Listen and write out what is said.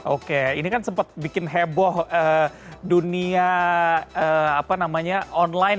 oke ini kan sempat bikin heboh dunia online